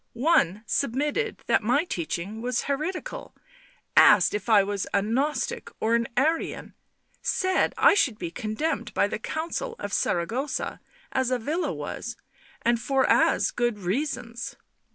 One submitted that my teaching was heretical — asked if I was a Gnostic or an Arian — said I should be condemned by the Council of Saragossa — as Avila was, and for as good reasons.